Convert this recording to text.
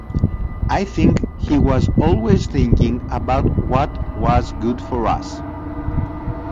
I think he was always thinking about what was good for us.